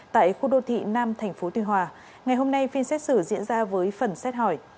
tại khu đô thị nam tp tuy hòa ngày hôm nay phiên xét xử diễn ra với phần xét hỏi